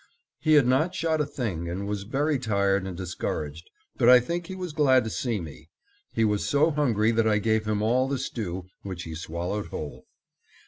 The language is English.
He had not shot a thing and was very tired and discouraged, but I think he was glad to see me. He was so hungry that I gave him all the stew, which he swallowed whole.